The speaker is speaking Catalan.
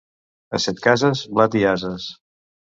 A Setcases, blat i ases.